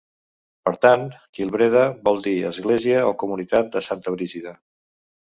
Per tant, Kilbreda vol dir Església o Comunitat de Santa Brígida.